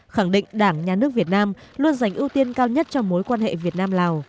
khẳng định đảng nhà nước việt nam luôn dành ưu tiên cao nhất cho mối quan hệ việt nam lào